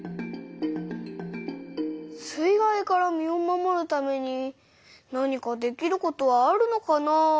水害から身を守るために何かできることはあるのかなあ？